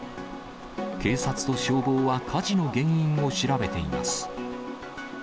警察と消防は火事の原因を調べています。